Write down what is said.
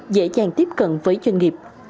dễ dàng tiếp cận với doanh nghiệp